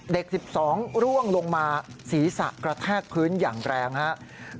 เด็ก๑๒ร่วงลงมาศีรษะกระแทกพื้นอย่างแรงครับ